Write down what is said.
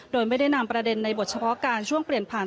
โดยไม่ได้นำประเด็นในบทเฉพาะการช่วงเปลี่ยนผ่าน